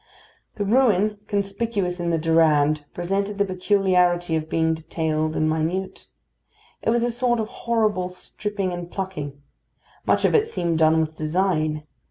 The ruin conspicuous in the Durande presented the peculiarity of being detailed and minute. It was a sort of horrible stripping and plucking. Much of it seemed done with design.